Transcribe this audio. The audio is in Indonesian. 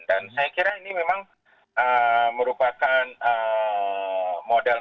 dan saya kira ini memang merupakan model modelnya